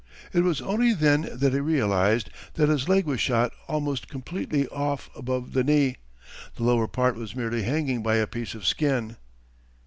It was only then that he realized that his leg was shot almost completely off above the knee; the lower part was merely hanging by a piece of skin.